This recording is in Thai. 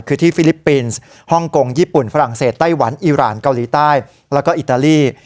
คือที่ฟิลิปปินส์ฮ่องกงญี่ปุ่นฝรั่งเศสไต้หวันอีรานเกาหลีใต้แล้วก็อิตาลี